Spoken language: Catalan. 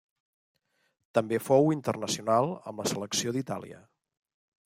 També fou internacional amb la selecció d'Itàlia.